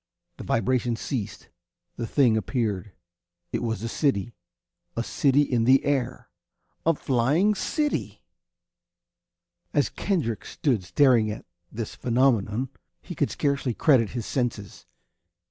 The vibration ceased. The thing appeared. It was a city a city in the air a flying city! As Kendrick stood staring at this phenomenon, he could scarcely credit his senses.